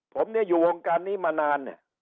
ผมเนี่ยอยู่วงการนี้มานาน